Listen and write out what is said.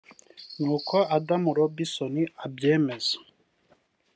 nk’uko Adam Robinson abyemeza